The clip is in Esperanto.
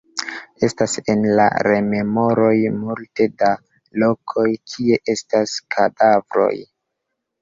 Estas en la rememoroj multe da lokoj, kie estas kadavroj.